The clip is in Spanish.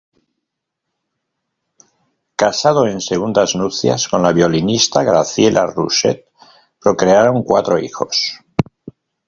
Casado en segundas nupcias con la violinista Graciela Rousset procrearon cuatro hijos.